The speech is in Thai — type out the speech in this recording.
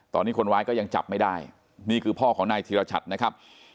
ตอนนี้คนร้ายก็ยังจับไม่ได้นี่คือพ่อของนายธีรชัดนะครับ